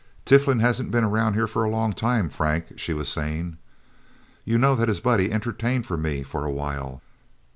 "Tiflin hasn't been around here for a long time, Frank," she was saying. "You know that his buddy entertained for me for a while.